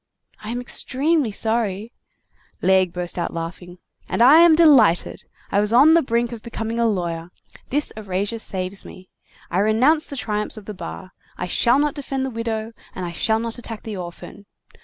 "I am extremely sorry—" Laigle burst out laughing. "And I am delighted. I was on the brink of becoming a lawyer. This erasure saves me. I renounce the triumphs of the bar. I shall not defend the widow, and I shall not attack the orphan.